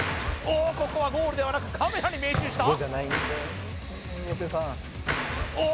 おっここはゴールではなくカメラに命中した！？